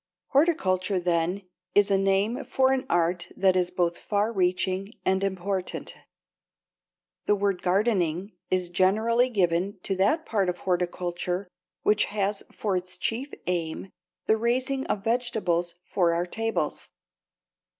Horticulture then is a name for an art that is both far reaching and important. The word gardening is generally given to that part of horticulture which has for its chief aim the raising of vegetables for our tables.